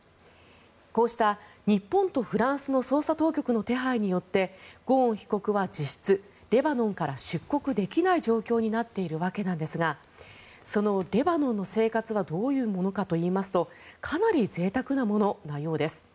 こうした日本とフランスの捜査当局の手配によってゴーン被告は、実質レバノンから出国できない状況になっているわけなんですがそのレバノンの生活はどういうものかといいますとかなりぜいたくなもののようです。